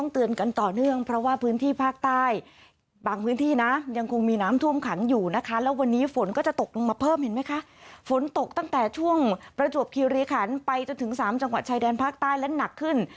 ตกลงมาเพิ่มเห็นไหมคะฝนตกตั้งแต่ช่วงประจวบคิวเรขันไปจนถึงสามจังหวัดชายแดนภาคใต้และหนักขึ้น